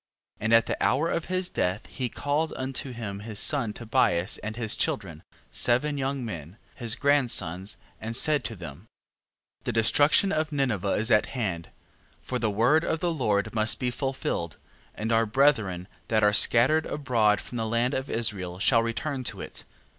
14:5. And at the hour of his death he called unto him his son Tobias and his children, seven young men, his grandsons, and said to them: 14:6. The destruction of Ninive is at hand: for the word of the Lord must be fulfilled: and our brethren, that are scattered abroad from the land of Israel, shall return to it.